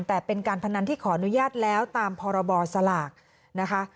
แต่เป็นการพนันที่ขออนุญาตแล้วตามพรบสลากนะคะ